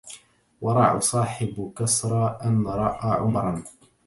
وراع صاحب كسرى أن رأى عمرا